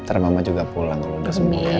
nanti mama juga pulang kalau udah sembuh kan